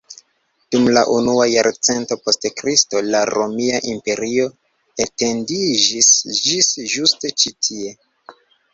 Dum la unua jarcento post Kristo la romia imperio etendiĝis ĝis ĝuste ĉi tie.